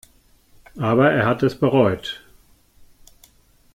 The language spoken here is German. Aber er hat es bereut.